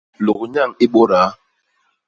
Lôgnyañ i bôdaa.